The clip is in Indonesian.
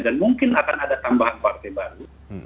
dan mungkin akan ada tambahan partai baru